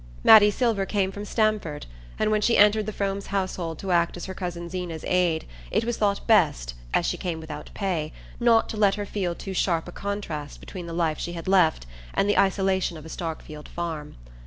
Mattie Silver came from Stamford, and when she entered the Fromes' household to act as her cousin Zeena's aid it was thought best, as she came without pay, not to let her feel too sharp a contrast between the life she had left and the isolation of a Starkfield farm.